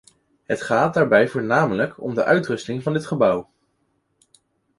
Het gaat daarbij voornamelijk om de uitrusting van dit gebouw.